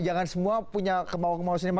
jangan semua punya kemau kemauan